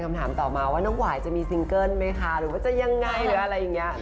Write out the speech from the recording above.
แล้วถ้าสมมติว่ามีแฟนเดินมาทักว่าสบายดีหรือเปล่า